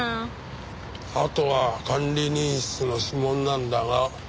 あとは管理人室の指紋なんだが。